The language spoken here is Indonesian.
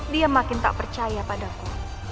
dia makin tak percaya padaku